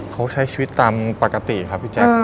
เขาใช้ชีวิตตามปกติครับพี่แจ๊ค